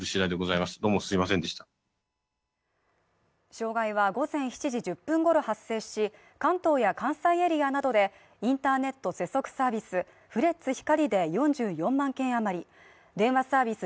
障害は午前７時１０分ごろ発生し関東や関西エリアなどでインターネット接続サービス、フレッツ光で４４万件あまり、電話サービス